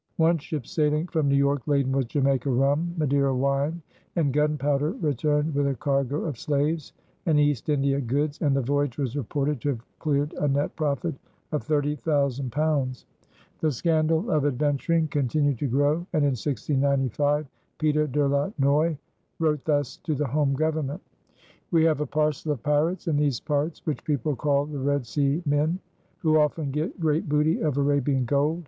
One ship sailing from New York laden with Jamaica rum, Madeira wine, and gunpowder returned with a cargo of slaves and East India goods, and the voyage was reported to have cleared a net profit of thirty thousand pounds. The scandal of "adventuring" continued to grow, and in 1695 Peter De la Noy wrote thus to the home government: We have a parcell of pirates in these parts which (people) call the Red Sea men, who often get great booty of Arabian Gold.